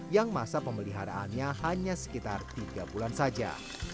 yang masa pemeliharaannya hanya sekitar tiga bulan saja